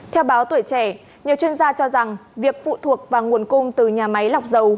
theo báo tuổi trẻ nhiều chuyên gia cho rằng việc phụ thuộc vào nguồn cung từ nhà máy lọc dầu